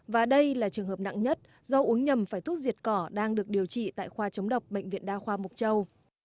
và đây là trường hợp nặng nhất do uống nhầm phải thuốc diệt cỏ đang được điều trị tại khoa chống độc bệnh viện đa khoa mộc châu